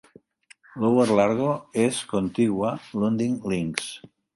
Lower Largo és contigua Lundin Links.